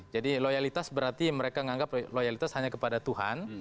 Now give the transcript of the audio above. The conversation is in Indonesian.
jadi loyalitas berarti mereka menganggap loyalitas hanya kepada tuhan